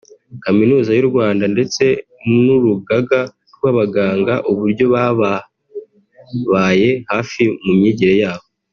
Kaminuza y’u Rwanda ndetse n’ Urugaga rw’abaganga uburyo bababaye hafi mu myigire yabo